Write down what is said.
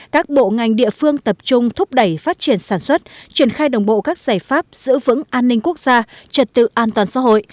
các bộ ngành địa phương tập trung thúc đẩy phát triển sản xuất triển khai đồng bộ các giải pháp giữ vững an ninh quốc gia trật tự an toàn xã hội